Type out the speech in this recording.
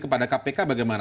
kepada kpk bagaimana